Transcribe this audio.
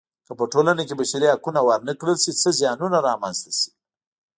که په ټولنه کې بشري حقونه ورنه کړل شي څه زیانونه رامنځته شي.